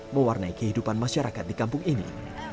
mewarnai kehidupan masyarakat di kampung ini